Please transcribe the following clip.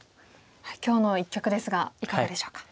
今日の一局ですがいかがでしょうか？